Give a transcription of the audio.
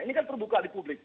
ini kan terbuka di publik